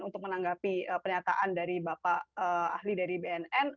untuk menanggapi pernyataan dari bapak ahli dari bnn